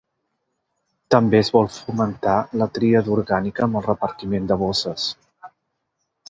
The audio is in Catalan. També es vol fomentar la tria d’orgànica amb el repartiment de bosses.